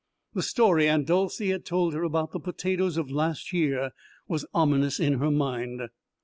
The story Aunt Dolcey had told her about the potatoes of last year was ominous in her mind.